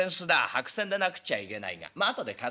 白扇でなくっちゃいけないがまあ後で貸すから。